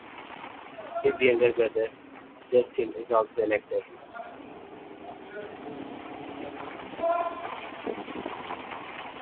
His younger brother, Justin is also an actor.